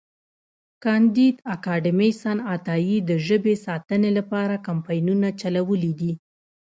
کانديد اکاډميسن عطایي د ژبې ساتنې لپاره کمپاینونه چلولي دي.